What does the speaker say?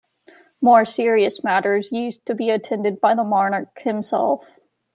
More serious matters used to be attended by the monarch himself.